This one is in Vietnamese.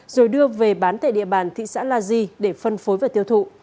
rồi đưa về bán tại địa bàn thị xã la di để phân phối và tiêu thụ